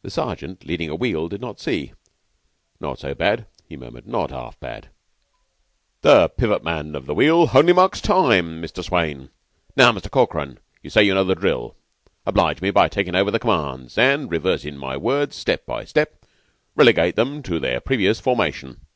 The Sergeant, leading a wheel, did not see. "Not so bad," he murmured. "Not 'arf so bad. The pivot man of the wheel honly marks time, Muster Swayne. Now, Muster Corkran, you say you know the drill? Oblige me by takin' over the command and, reversin' my words step by step, relegate them to their previous formation."